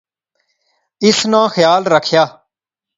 اس ناں خیال رکھِیاں